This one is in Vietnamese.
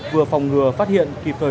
vừa phòng ngừa phát hiện kịp thời